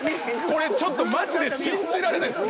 これちょっとマジで信じられないです。